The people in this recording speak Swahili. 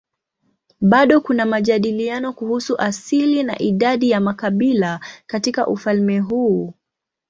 Bado kuna majadiliano kuhusu asili na idadi ya makabila katika ufalme huu.